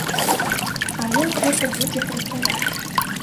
А як гэта будзе працаваць?